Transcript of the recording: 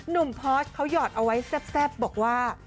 นุ่มพอร์ชเขาหยอดเอาไว้แซบแซบบอกว่า